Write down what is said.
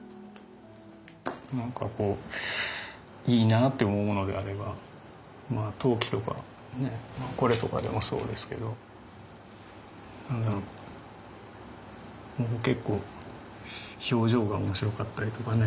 何かこういいなあと思うものであれば陶器とかこれとかでもそうですけど結構表情が面白かったりとかね。